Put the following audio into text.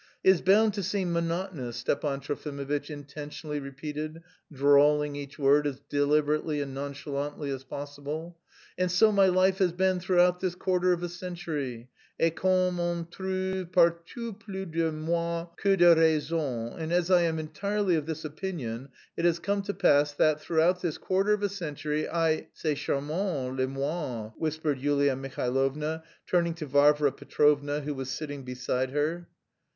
"... Is bound to seem monotonous," Stepan Trofimovitch intentionally repeated, drawling each word as deliberately and nonchalantly as possible. "And so my life has been throughout this quarter of a century, et comme on trouve partout plus de moines que de raison, and as I am entirely of this opinion, it has come to pass that throughout this quarter of a century I..." "C'est charmant, les moines," whispered Yulia Mihailovna, turning to Varvara Petrovna, who was sitting beside her.